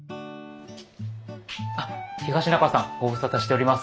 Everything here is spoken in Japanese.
東仲さんご無沙汰しております。